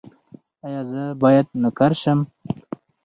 ایا زه باید نوکر شم؟